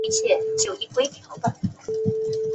棉毛黄耆是豆科黄芪属的植物。